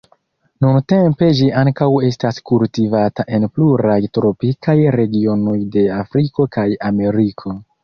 Nuntempe ĝi ankaŭ estas kultivata en pluraj tropikaj regionoj de Afriko kaj Ameriko.